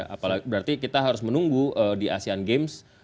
apalagi berarti kita harus menunggu di asean games